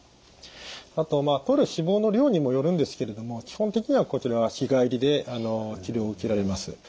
あととる脂肪の量にもよるんですけれども基本的にはこちらは日帰りで治療を受けられます。